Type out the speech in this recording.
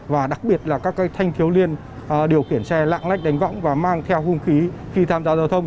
và đặc biệt là các thanh thiếu niên điều khiển xe lạng lách đánh võng và mang theo hung khí khi tham gia giao thông